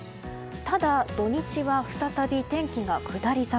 ただ、土日は再び天気が下り坂。